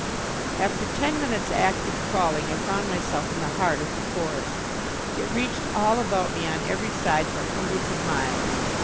After ten minutes' active crawling I found myself in the heart of the forest. It reached all about me on every side for hundreds of miles.